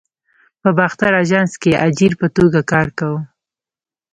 په باختر آژانس کې اجیر په توګه کار کاوه.